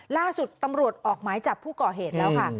ล่าสุดตำรวจออกหมายจับผู้ก่อเหตุแล้วค่ะ